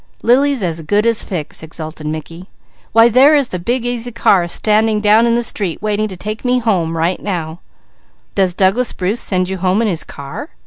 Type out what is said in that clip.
"Lily's as good as fixed," exulted Mickey. "Why there is that big easy car standing down in the street waiting to take me home right now." "Does Douglas Bruce send you home in his car?"